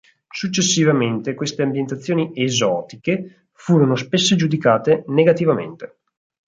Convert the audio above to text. Successivamente queste ambientazioni "esotiche" furono spesso giudicate negativamente.